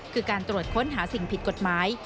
คือการตรวจค้นหาสิ่งผิดกฎหมาย